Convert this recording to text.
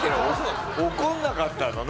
怒らなかったの？